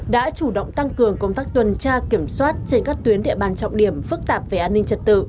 đã chủ động tăng cường công tác tuần tra kiểm soát trên các tuyến địa bàn trọng điểm phức tạp về an ninh trật tự